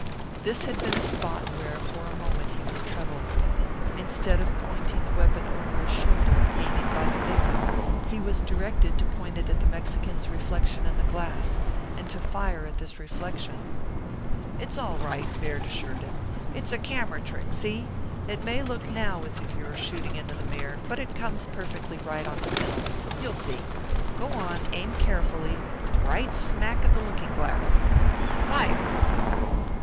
This had been a spot where for a moment he was troubled. Instead of pointing the weapon over his shoulder, aiming by the mirror, he was directed to point it at the Mexican's reflection in the glass, and to fire at this reflection. "It's all right," Baird assured him. "It's a camera trick, see? It may look now as if you were shooting into the mirror but it comes perfectly right on the film. You'll see. Go on, aim carefully, right smack at that looking glass fire!"